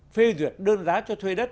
phê duyệt đơn giá cho thuê đất